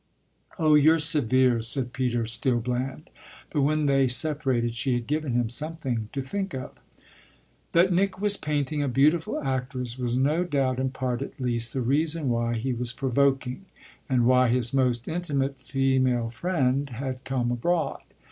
"Oh you're severe," said Peter, still bland; but when they separated she had given him something to think of. That Nick was painting a beautiful actress was no doubt in part at least the reason why he was provoking and why his most intimate female friend had come abroad.